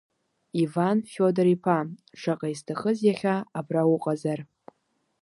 Иван Фиодор-иԥа, шаҟа исҭахыз иахьа абра уҟазар.